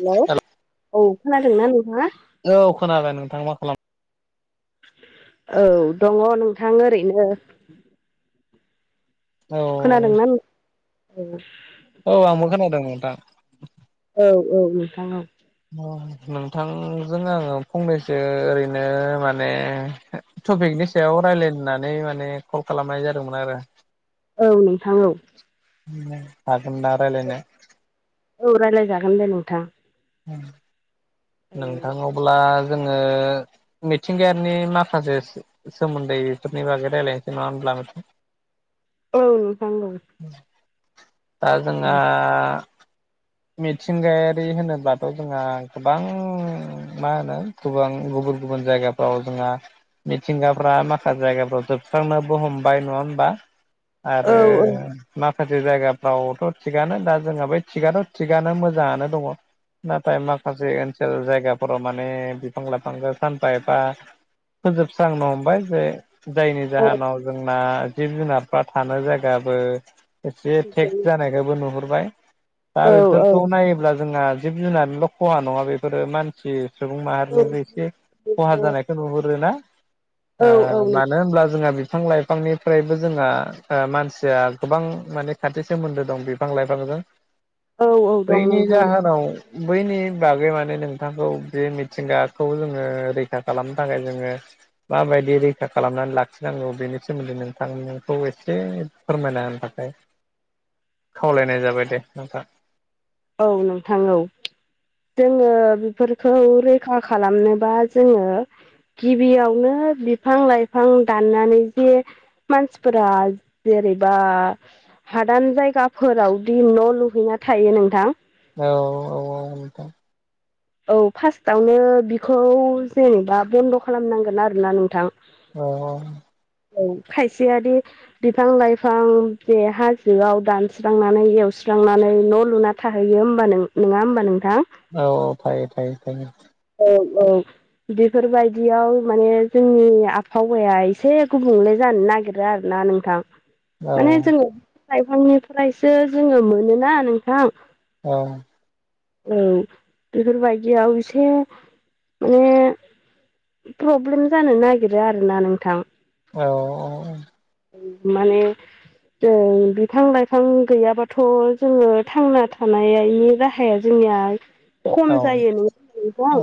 हेल' औ खोनादोंना नोंथाङा औ खोनादों नोंथां मा खालाम औ दङ नोंथां ओरैनो औ खोनादोंना औ आंबो खोनादों नोंथां औ औ नोंथां औ नोंथांजों आङो फंनैसो ओरैनो माने टपिकनि सायाव रायलायनो होननानै माने कल खालामनाय जादोंमोन आरो औ नोंथां औ हागोन दा रायलायनो औ रायलाय जागोन दे नोंथां नोंथांनाव अब्ला जोङो मिथिंगायारिनि माखासे सोमोन्दै बेफोरनि बागै रायज्लायनोसै नङा होनब्ला नोंथां औ नोंथां औ दा जोंहा मिथिंगायारि होनोब्लाथ' जोंहा गोबां मा होनो गोबां गुबुन गुबुन जायगाफ्राव जोंहा मिथिंगाफ्रा माखासे जायगाफ्राव जोबस्रांनोबो हमबाय नङा होमबा आरो औ माखासे जायगाफ्रावथ थिगानो दा जोंहा बेै थिगानो थिगानो मोजाङानो दङ नाथाय माखासे ओनसोल जायगा फोराव माने बिफां लाइफांखौ सानफा एफा फोजोबस्रांनो हमबाय जे जायनि औ जाहोनाव जोंना जिब जुनारफ्रा थानो जायगाबो एसे थेक जानायखौबो नुहुरबाय दा बेफोरखौ औ औ नायोब्ला जोंहा जिब जुनारल खहा नङा बेफोरो मानसि सुबुं माहारिनिबो एसे खहा जानायखौ नुहुरोना ओ मानो होनब्ला जोंहा बिफां लाइफांनिफ्रायबो जोंहा मानसिया गोबां माने खाथि सोमोन्दो दं बिफां लाइफांजों औ औ दं बैनि नोंथां जाहोनाव बैनि बागै माने नोंथांखौ बे मिथिंगाखौ जोङो रैखा खालामनो थाखाय जोङो माबायदि रैखा खालामनानै लाखिनांगौ बेनि सोमोन्दै नोंथांखौ एसे फोरमायना होनो थाखाय खावलायनाय जाबाय दे नोंथा औ नोंथां औ जोङो बेफोरखौ रैखा खालामनोबा जोङो गिबियावनो बिफां लाइफां दाननानै जे मानसिफोरा जेरैबा हादान जायगाफोरावदि न' लुहैना थायो नोंथां औ औ औ औ फार्स्टआवनो बिखौ जेनेबा बन्द खालामनांगोन आरोना नोंथां औ औ औ खायसेयादि बिफां लाइफां जे हाजोआव दानस्रांनानै एवस्रांनानै न' लुना थाहैयो होमबा नों नोङा होमबा नोंथां औ थायो थायो थायो औ औ बेफोरबायदियाव माने जोंनि आबहावाया एसे गुबुंले जानो नागिरो आरोना नों थां औ माने जोङो बिफां लाइफांनिफ्रायसो जोङो मोनोना नोंथां औ औ बेफोरबायदियाव एसे माने प्रब्लेम जानो नागिरो आरोना नोंथां औ औ माने जों बिफां लाइफां गैयाबाथ जोङो थांना थानायनि राहा हाया जोंनिया खम औ जायो नों औ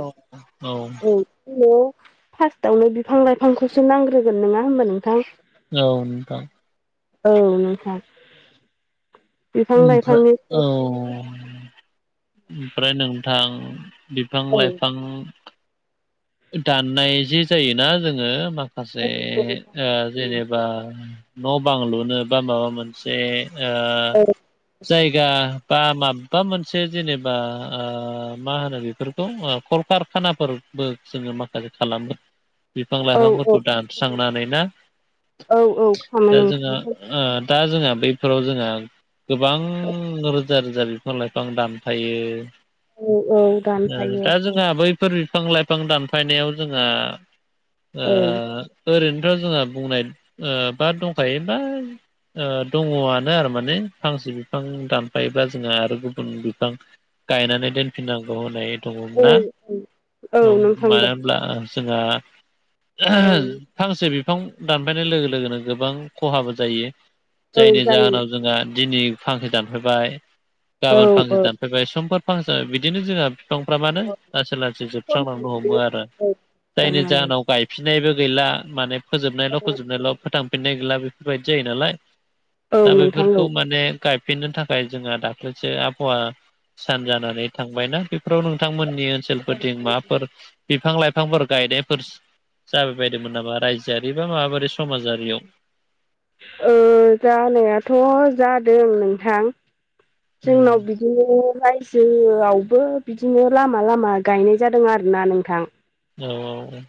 औ फार्स्टआवनो बिफां लाइफांखौसो नांग्रोगोन नङा होमबा नोंथां औ नोंथां औ नोंथां बिफां ओमफ्राय औ लाइफांनिफ्रायसो ओमफ्राय नोंथां बिफां लाइफां दाननाय जे जायोना जोङो औ माखासे ओ जेनेबा न' बां लुनो बा माबा मोनसे ओ जायगा बा माबा मोनसे जेनेबा ओ मा होनो बेफोरखौ कलकार खानाफोरबो जोङो माखासे खालामो बिफां औ औ लाइफांफोरखौ दानस्रांनानै ना औ औ दा खामानि जोंङो ओ दा जोंहा बैफोराव जोंहा गोबां रोजा रोजा बिफां लाइफां दानफायो औ औ दानफायो दा जों जोंहा बैफोर बिफां लाइफां दानफायनायाव जोंहा औ ओ ओरैनोथ जोंहा बुंनाय ओ बा दंखायो बा ओ दङआनो आरो माने फांसे बिफां दानफायोबा जोंहा आरो गुबुन बिफां गायनानै दोनफिननांगौ होनाय औ औ औ नोंथां मानो दं होनोमब्ला जोंहा औ फांसे बिफां दानफायनाय लोगो लोगोनो गोबां खहाबो जायो औ जायनि जायो जाहोनाव जोंहा दिनै फांसे दानफायबाय औ गाबोन फांसे औ दानबाय बाय समफोर फांसा जाय बिदिनो जोंहा बिफांफ्रा मानो लासै लासै जोब सुस्रांलांनो हमो आरो जायनि जाहोनाव गायफिननायबो गैला माने फोजोबनायल' फोजोबनायल' फोथांफिननाय गैला बेफोरबायदि जायो नालाय औ दा नोंथां औ बेफोरखौ माने गायफिननो थाखाय जोंहा दाख्लैसो आबहावा सान जानानै थांबायनाा बेफोराव नोंथांमोननि ओनसोलफोरजोंं माबाफोर बिफां लाइफांफोर गायनायफोर जाबाय बायदोंमोन नामा रायजोआरि बा माबारि समाजारियाव जानायाथ' जादों नोंथां उम जोंनाव बिदि बिदिनो रायजोआवबो बिदिनो लामा लामा गायनाय जादों आरोना नोंथां औ औ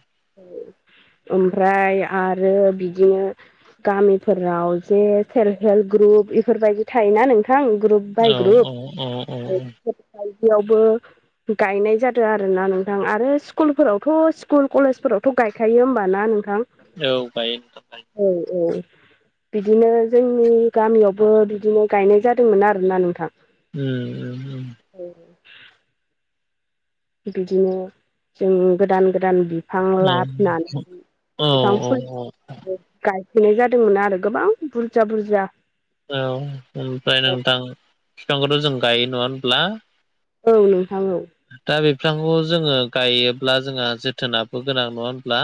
ओमफ्राय आरो बिदिनो गामिफोराव जे सेल्फ हेल्प ग्रुप बेफोरबायदि थायोना नोंथां ग्रुप ग्रुब बाइ ग्रुब औ औ औ बेफोरबायदियावबो गायनाय जादों आरोना नोंथां आरो स्कुलफोरावथ' स्कुल कलेजफोरावथ' गायखायो होमबाना नोंथां औ गायो औ औ बिदिनो जोंनि गामियावबो बिदिनो गायनाय जादोंमोन आरोना नोंथां उम औ बिदिनो जों गोदान गोदान बिद बिफां लाबनानै उम औ बिफां औ औ फुलि गायफैनाय जादोंमोन आरो गोबां बुरजा बुरजा औ ओमफ्राय नोंथां बिफांखौथ' जों गायो नङा होनब्ला औ नोंथां औ दा बिफांखौ जोङो गायोब्ला जोंहा जोथोनाबो गोनां नङा होनब्ला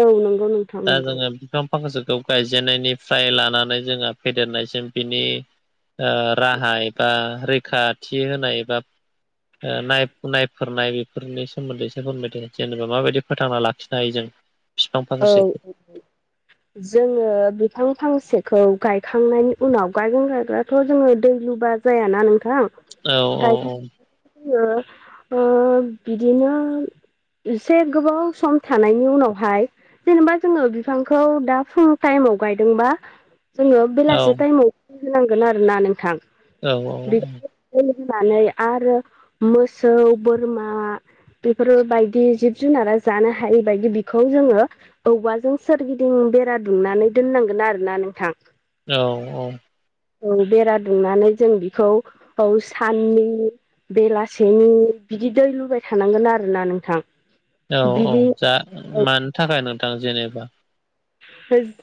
औ नंगौ नों दा जोङो बिफां फांसेखौ गायजेननायनिफ्राय लानानै जोङो फेदेरनायसिम बिनि राहाय बा रैखाथि होनाय बा नाय नायफोरनाय बेफोरनि सोमोन्दैसो फोरमायदों जेनेबा माबायदि फोथांना लाखिनो हायो जों बिफां औ फांसेखौ औ [inaudible] जोङो बिफां फांसेखौ गायखांनायनि उनाव गायगोन गायग्रााथ' जोङो दै लुबा जायाना नोंथां औ औ गायखां औ ओ बिदिनो एसे गोबाव सम थानायनि उनावहाय जेनेबा जोङो बिफांखौ दा फुल टाइमाव गायदोंबा जोङो औ बेलासि टाइमाव होनांगोन आरो ना नोंथां औ औ औ बेखौ होनानै आरो मोसौ बोरमा बेफोर बायदि जिब जुनारा जानो हायि बायदि बेखौ जोङो औबबाजों सोरगिदिं बेरा दुंनानै दोननांगोन आरो ना नोंथां औ औ औ बेरा दुंनानै जों बेखौ औ साननि बेलासेनि बिदि दै लुबाय थानांगोन आरोना नोंथां औ औ बिदि जा औ मानो थाखाय नोंथां जेनेबा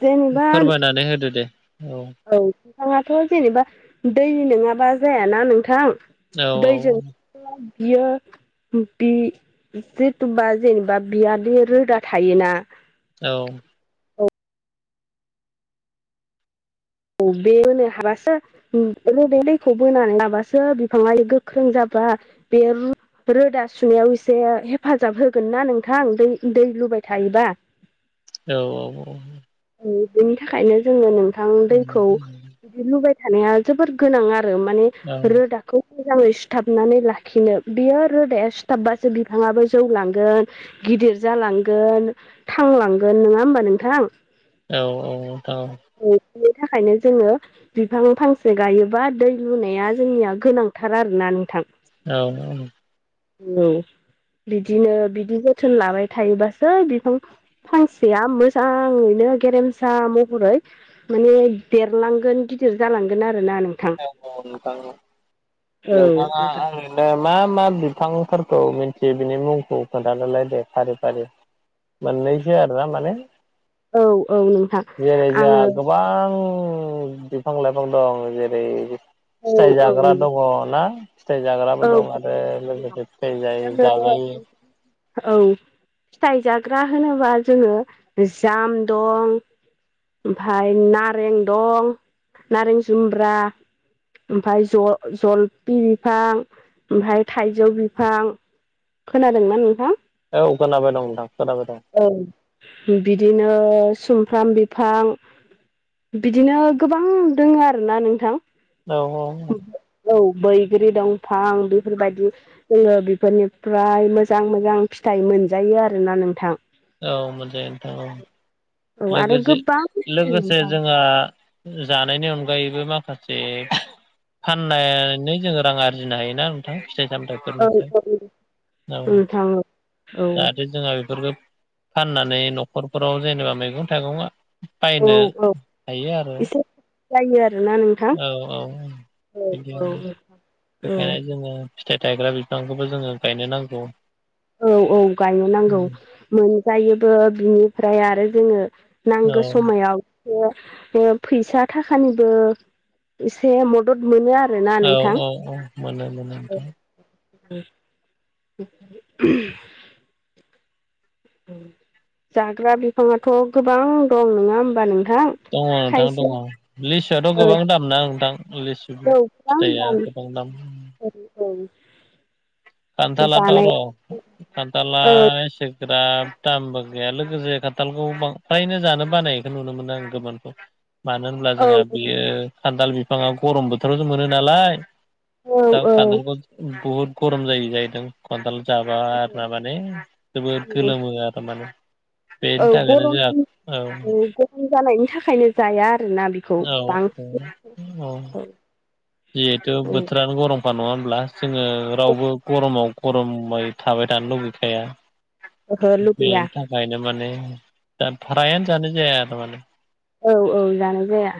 जेनेबा फोरमायनानै होदो दे औ औ नोंथाङाथ' जेनेबा दै नङाबा जायाना नोंथां औ दैजों बियो बि जेथ'बा जेनेबा बियादि रोदा थायोना औ औ बे होनो हाबासो रबै दैखौ बोनानै लाबासो बिफाङा गोख्रों जाबा बे रोदा सुनायाव एसे हेफाजाब होगोन ना नोंथां दै दै लुबाय थायोबा औ औ औ औ बेनि थाखायनो जोङो नोंथां दै बिदि लुबाय थानाया जोबोर गोनां आरो माने रोदाखौ मोजाङै सुथाबनानै लाखिनो बियो रोदाया सुथाबबासो बिफाङाबो जौलांगोन गिदिर जालांगोन थांलांगोन नङा होमबा नोंथां औ औ औ बेनि थाखायनो जोङो बिफां फांसे गायोबा दै लुनाया जोंनिया गोनांथार आरोना नोंथां औ औ औ बिदिनो बिदि जोथोन लाबाय थायोबासो बिफां फांसेया मोजाङैनो गेरेमसा महरै माने देरलांगोन गिदिर जालांगोन आरो ना नों औ नोंथां औ नोंथाङा नोंथां आङो दे मा मा बिफांफोरखौ मिथियो बिनि मुंखौ खोन्थानोलाय दे फारि फारि मोननैसै आरो ना माने औ औ नोंथां जेरै जोंहा आङो गोबां बिफां लाइफां दं जेरै ओरै औ फिथाइ जाग्रा दङ ना फिथाइ जाग्राबो औ दं आरो लोगोसे फिथाइ जायै जोङो जाजायो औ फिथाइ जाग्रा होनोबा जोङो जाम दं ओमफ्राय नारें दं नारें जुम्ब्रा ओमफ्राय ज जलफि बिफां ओमफ्राय थाइजौ बिफां खोनादोंना नोंथां औ खोनाबाय दं नोंथां खोनाबाय दं औ बिदिनो सुमफ्राम बिफां बिदिनो गोबां दोङो आरोना नोंथां औ औ औ औ बैग्रि दंफां बेफोरबायदि जोङो बेफोरनिफ्राय मोजां मोजां फिथाइ मोनजायो आरोना नोंथां औ मोजाङै नोंथां औ आरो लोगोसे गोबां दं लोगोसे नोंथां। जोंहा जानायनि अनगायैबो माखासे फाननानै जोङो रां आरजिनो हायोना थां फिथाइ औ सामथाइफोरनिफ्राय औ। नोंथां औ जाहाथे जोंहा बेफोरखौ फाननानै न'खरफोराव जेनेबा मैगं थाइगं औ बायनो औ हायो आरो एसे जायो आरोना नोंथां औ औ औ औ बिदियावनो औ बेखायनो जोङो फिथाइ थायग्रा बिफांखौबो जोङो गायनो नांगौ औ औ गायनो नांगौ मोनजायोबो बिनिफ्राय आरो जोङो औ नांगौ समायाव एसे फैसा थाखानिबो एसे मदद मोनो आरोना औ नोंथां औ औ मोनो मोनो नोंथां उ [inaudible] जाग्रा बिफाङाथ' गोबां दं नङा होमबा नोंथां? दङ नोंथां खायसे दङ लिसुआथ' औ औ गोबां दाम ना नोंथां लिसु गोबां फिथाइया गोबां दाम। उम खान्थालाथ' र' खान्थाला औ एसे बिराद दामबो गैया लोगोसे खान्थालखौ फ्रायनो जानो बानायखौ नुनो मोनदों आं गोमोन मानो होनब्ला औ जोंहा बेयो खान्थाल बिफाङा गरम बोथोरावसो मोनो नालाय। औ दा औ खान्थालखौ बहुद गरम जायो जाहैदों। खान्थाल जाबा आरोना माने जोबोद गोलोमो आरो माने औ बेनि थाखायनो गरम जोंहा औ गरम जानायनि थाखायनो जाया आरोना बेखौ बांसिन अ औ जिहेथु बोथोरानो गरमखा नङा होमब्ला? जोङो औ रावबो गरमाव गरमै थाबाय थानो लुगैखाया। ओहो लुबैया बेनि थाख खायनो माने फ्रायानो जानाय जाया आरो माने। औ औ जानाय जाया।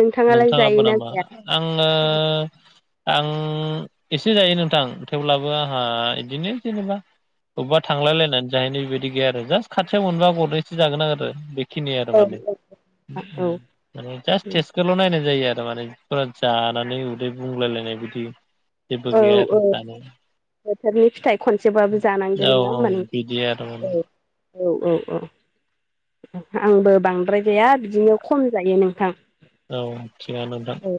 नोंथाङालाय नोंथाङाबो जायो ना नामा जाया? आङो आं एसे जायो नोंथां थेवब्लाबो आंहा इदिनो जेनेबा अबबा थांलायलायनानै जाहैनो बेबायदि गैया आरो जास्ट खाथियाव मोनबा गरनैसो जागोन आरो खिनि आरो औ माने औ मे जास्ट थेस्टखोल' नायनाय जायो आरो माने। फोर जानानै उदै बुंलायलायनाय बिदि जेबो औ गैया औ आरो जानाया बोथोरनि फिथाइ खनसेबाबो जानांगोन औ नङा होमबा औ बिदि आरो माने [inaudible] औ औ औ औ आंबो बांद्राय जाया बिदिनो खम जायो नोंथां। औ थिगानो नोंथां औ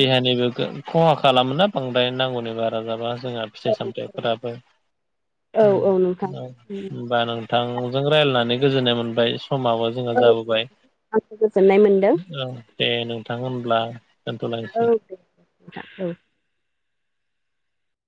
देहानिबो गो खहा खालामोना बांद्राय नांगौनि बारा जाबा जोंहा फिथाइ औ सामथाइफोराबो औ ओं औ नोंथां ओं बा नोंथांजों रायज्लायनानै गोजोननाय मोनबाय समाबो जोङो औ जाबोबाय आंबो गोजोन्नाय मोन औ दे नोंथां होनब्ला दोनथ'लायनोसै औ औ [inaudible] औ